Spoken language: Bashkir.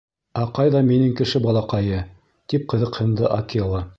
— Ә ҡайҙа минең кеше балаҡайы? — тип ҡыҙыҡһынды Акела.